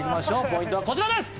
ポイントはこちらです。